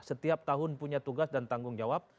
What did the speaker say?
setiap tahun punya tugas dan tanggung jawab